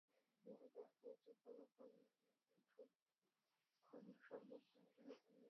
ইতোমধ্যে আমিও যে-কোন কাষ্ঠখণ্ড সম্মুখে পাই, তাহাই ধরিয়া ভাসিতে চেষ্টা করিতেছি।